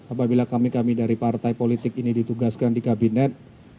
apabila kami kami dari partai politik ini ditugaskan di kabinet